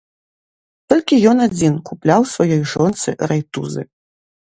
Толькі ён адзін купляў сваёй жонцы рэйтузы.